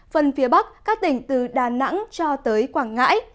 phần phía bắc các tỉnh từ đà nẵng cho tới quảng ngãi